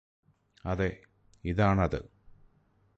അതെ ഇതാണത്